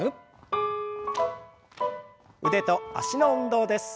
腕と脚の運動です。